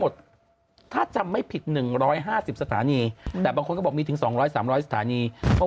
ก็เพราะว่าอันนี้คนก็เปิดก็เล่นแวว